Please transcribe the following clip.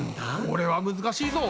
これは難しいぞ！